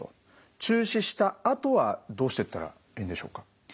中止したあとはどうしてったらいいんでしょうか？